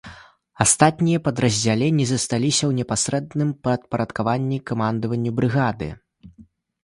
Астатнія падраздзяленні засталіся ў непасрэдным падпарадкаванні камандаванню брыгады.